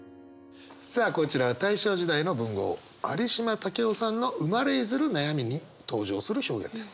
さあこちら大正時代の文豪有島武郎さんの「生れ出づる悩み」に登場する表現です。